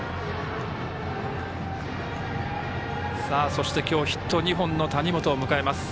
そして、今日ヒット２本の谷本を迎えます。